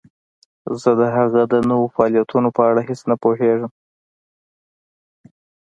زه د هغه د نویو فعالیتونو په اړه هیڅ نه پوهیدم